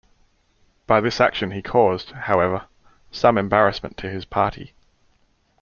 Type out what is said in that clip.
By this action he caused, however, some embarrassment to his party.